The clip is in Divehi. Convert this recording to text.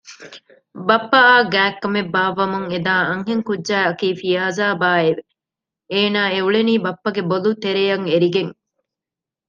ބައްޕައާ ގާތްކަމެއް ބާއްވަމުން އެދާ އަންހެން ކުއްޖާއަކީ ފިޔާޒާބާއެވެ! އޭނާ އެ އުޅެނީ ބައްޕަގެ ބޮލުތެރެއަށް އެރިގެން